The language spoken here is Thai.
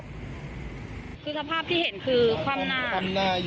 คือสภาพที่เห็นคือค้ำหน้า